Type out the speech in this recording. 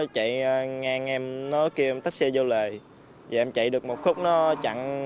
chú tại địa phương